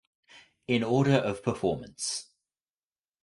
In order of performance.